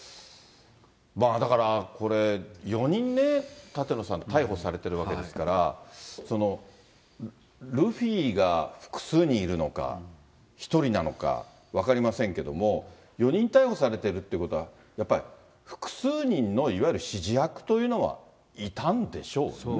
だからこれ、４人ね、舘野さん、逮捕されているわけですから、ルフィが複数人いるのか、１人なのか分かりませんけれども、４人逮捕されてるっていうことは、やっぱり複数人の、いわゆる指示役というのはいたんでしょうね。